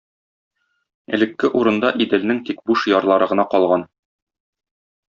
Элекке урында Иделнең тик буш ярлары гына калган.